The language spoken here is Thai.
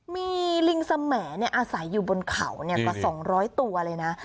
มีลิงสแหมดอาศัยอยู่บนเขากว่า๒๐๐ตัวเลยนะ